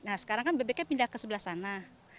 nah sekarang kan bebeknya pindah ke sebelah sana